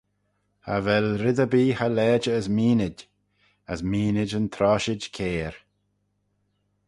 Cha vel red erbee cha lajer as meenid, as meenid yn troshid cair.